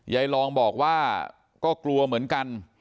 ยายลองบอกว่าก็กลัวเหมือนกัน